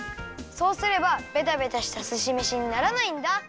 そうすればベタベタしたすしめしにならないんだ。